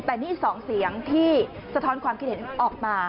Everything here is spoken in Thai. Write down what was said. แต่นี่๒เสียงที่สะท้อนความคิดเห็นออกมา